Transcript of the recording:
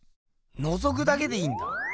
のぞくだけでいいんだ。